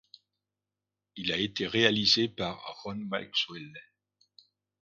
Il a été réalisé par Ron Maxwell.